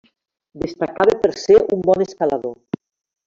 Destacava per ser un bon escalador.